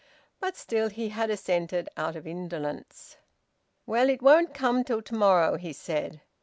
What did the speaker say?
But still, he had assented, out of indolence. "Well, it won't come till to morrow," he said.